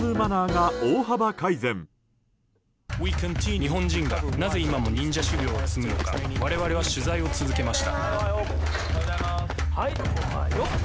日本人がなぜ今も忍者修業を積むのか我々は取材を続けました。